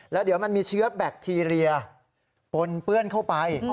แล้วเดี๋ยวมันมีเชื้อแบคทีเรียปนเปื้อนเข้าไป